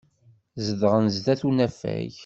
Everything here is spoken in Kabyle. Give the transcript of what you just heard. Zedɣen sdat unafag.